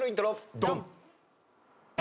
ドン！